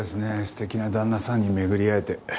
素敵な旦那さんに巡り会えて。